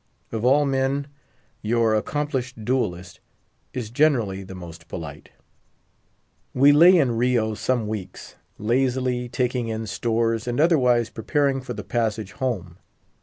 Of all men, your accomplished duellist is generally the most polite. We lay in Rio some weeks, lazily taking in stores and otherwise preparing for the passage home.